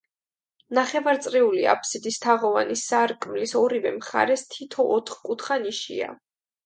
ნახევარწრიული აფსიდის თაღოვანი სარკმლის ორივე მხარეს თითო ოთხკუთხა ნიშია.